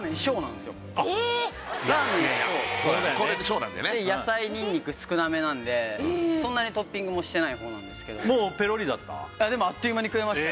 で野菜ニンニク少なめなんでそんなにトッピングもしてないほうなんですけどもうペロリだった？